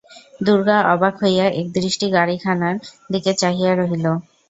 দুর্গা অবাক হইয়া একদৃষ্টি গাড়িখানার দিকে চাহিয়া রহিল।